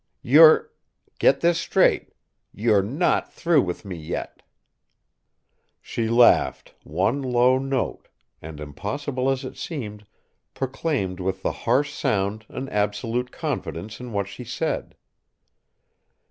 You're get this straight you're not through with me yet!" She laughed, one low note, and, impossible as it seemed, proclaimed with the harsh sound an absolute confidence in what she said.